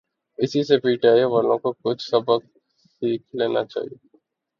اسی سے P T I والوں کو کچھ سبق سیکھ لینا چاہیے۔